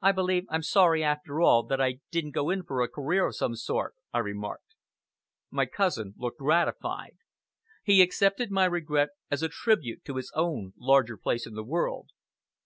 "I believe I'm sorry after all, that I didn't go in for a career of some sort," I remarked. My cousin looked gratified. He accepted my regret as a tribute to his own larger place in the world.